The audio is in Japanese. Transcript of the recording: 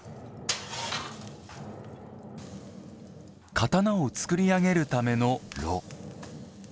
刀を作り上げるための炉。